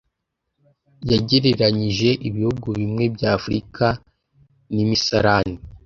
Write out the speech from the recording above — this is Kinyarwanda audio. yagereranyije ibihugu bimwe bya Afurika n’imisarani